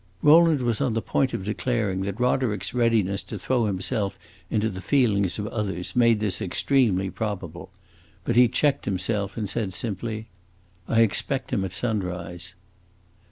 Rowland was on the point of declaring that Roderick's readiness to throw himself into the feelings of others made this extremely probable; but he checked himself and said, simply, "I expect him at sunrise."